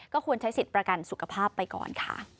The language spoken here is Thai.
ควรใช้สิทธิ์ประกันสุขภาพไปก่อนค่ะ